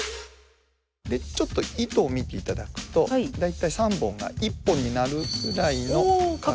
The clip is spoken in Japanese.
ちょっと糸を見ていただくと大体３本が１本になるぐらいの角度。